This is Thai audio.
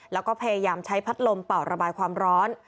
แล้วก็พยายามใช้พัดลมเป่าระบายความร้อน